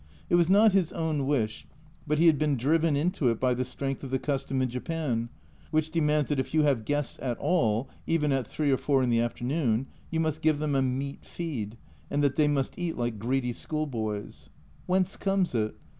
It was not his own wish, but he had been driven into it by the strength of the custom in Japan, which demands that if you have guests at all (even at 3 or 4 in the afternoon) you must give them a meat feed, and that they must eat like greedy schoolboys. Whence comes it?